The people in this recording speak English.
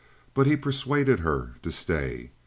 But he persuaded her to stay.